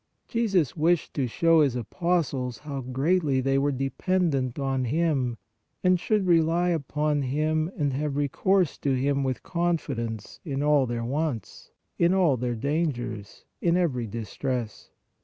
Jesus wished to show His apostles how greatly they were dependent on Him and should rely upon Him and have recourse to Him with confidence in all their wants, in all their dangers, in every distress.